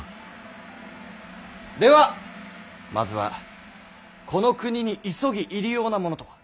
ではまずはこの国に急ぎ入り用なものとは？